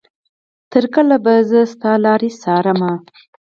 تر کله به زه ستا لارې څارنه.